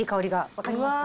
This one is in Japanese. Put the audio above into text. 分かりますか？